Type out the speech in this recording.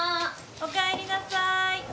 ・おかえりなさい。